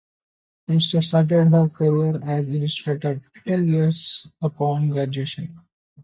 Costa started her career as an illustrator two years upon graduation.